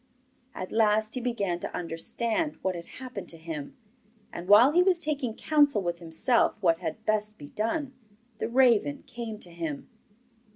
At last he began to understand what had happened to him, and while he was taking counsel with himself what had best be done, the raven came to him.